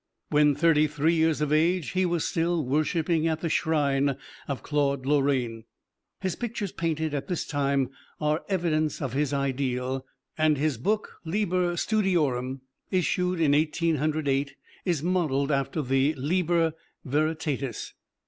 When thirty three years of age he was still worshiping at the shrine of Claude Lorraine. His pictures painted at this time are evidence of his ideal, and his book, "Liber Studiorum," issued in Eighteen Hundred Eight, is modeled after the "Liber Veritatis."